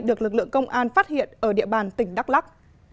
được lực lượng công an phát hiện ở địa bàn tỉnh đắk lắc